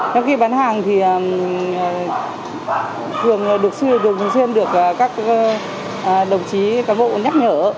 trong khi bán hàng thì thường được xuyên được các đồng chí cán bộ nhắc nhở